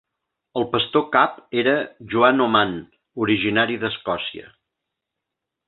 El pastor cap era Joan Oman, originari d'Escòcia.